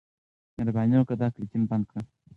مهرباني وکړه دا کړکۍ بنده کړه.